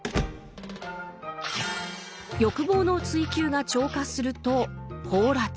欲望の追求が超過すると「放埓」。